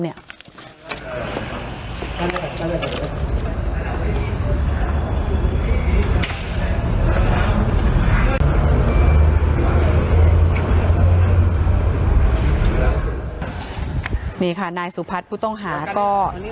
นี่ค่ะนายสุพัฒน์ผู้ต้องหาก็